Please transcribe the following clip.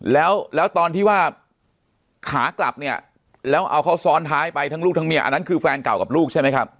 แล้วตอนที่ว่าขากลับเนี่ยแล้วเอาเขาซ้อนท้ายไปทั้งลูกทั้งเมียอันนั้นคือแฟนเก่ากับลูกใช่ไหมครับ